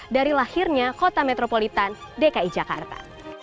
dari lahirnya kota metropolitan dki jakarta